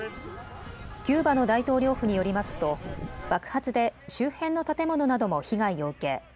キューバの大統領府によりますと爆発で周辺の建物なども被害を受け